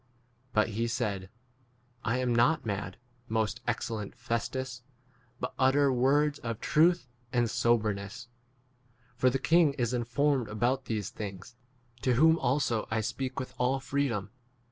But he said,p I am not mad, most excellent Festus, but utter words of truth 28 and soberness ; for the king is informed about these things, to whom also I speak with all free dom.